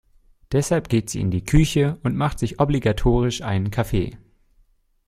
Deshalb geht sie in die Küche und macht sich obligatorisch einen Kaffee.